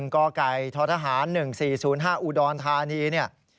กไก่ททหาร๑๔๐๕อุดรธานีเนี่ย